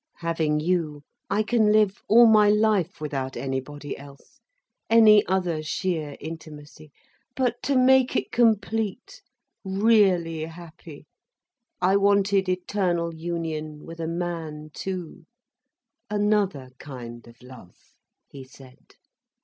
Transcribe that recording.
"Having you, I can live all my life without anybody else, any other sheer intimacy. But to make it complete, really happy, I wanted eternal union with a man too: another kind of love," he said.